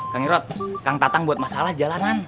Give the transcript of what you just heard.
kang irot kang tatang buat masalah jalanan